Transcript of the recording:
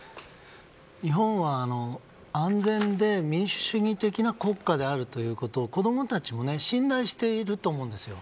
日本は安全で民主主義的な国家であるということを子供たちも信頼していると思うんですよ。